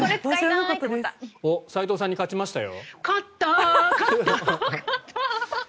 斎藤さんに勝ちましたよ。